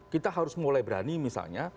kita harus mulai berani misalnya